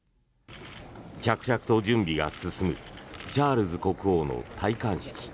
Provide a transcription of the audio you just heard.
着々と準備が進むチャールズ国王の戴冠式。